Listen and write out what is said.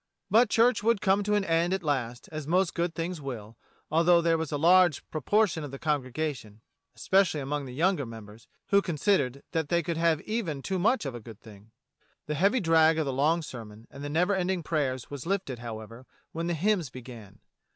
But church would come to an end at last, as most good things will, although there was a large proportion of the congregation — especially among the younger members — who considered that they could have even too much of a good thing. The heavy drag of the long sermon and never ending prayers was lifted, however, when the hymns began.